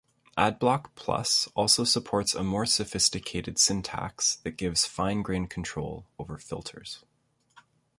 Adblock Plus also supports a more-sophisticated syntax that gives fine-grain control over filters.